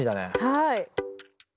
はい。